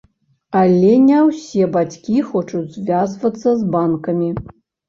Але не ўсе бацькі хочуць звязвацца з банкамі.